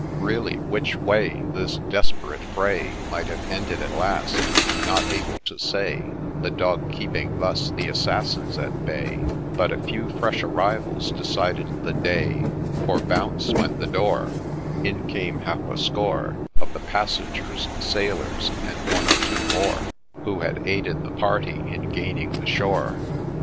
— Really, which way This desperate fray Might have ended at last, I'm not able to say, The dog keeping thus the assassins at bay : But a few fresh arrivals decided the day ; For bounce went the door, In came half a score Of the passengers, sailors, and one or two more Who had aided the party in gaining the shore